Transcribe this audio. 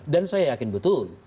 dan saya yakin betul